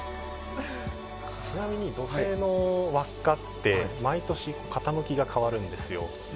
ちなみに土星の輪っかって毎年傾きが変わるんですよ。